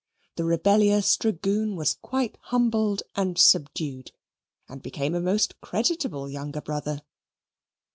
the rebellious dragoon was quite humbled and subdued, and became a most creditable younger brother.